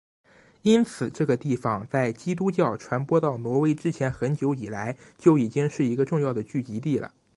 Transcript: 因此这个地方在基督教传播到挪威之前很久以来就已经是一个重要的聚集地了。